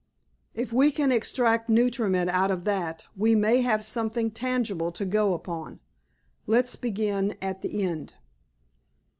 If we can extract nutriment out of that we may have something tangible to go upon. Let's begin at the end."